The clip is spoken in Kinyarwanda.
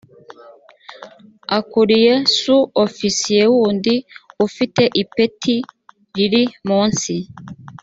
akuriye su ofisiye wundi ufite ipeti riri munsi